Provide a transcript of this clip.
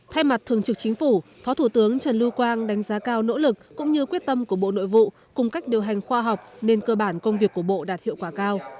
thay mặt thường trực chính phủ phó thủ tướng trần lưu quang đánh giá cao nỗ lực cũng như quyết tâm của bộ nội vụ cùng cách điều hành khoa học nên cơ bản công việc của bộ đạt hiệu quả cao